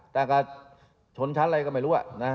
แต่ก็ชนชั้นอะไรก็ไม่รู้นะ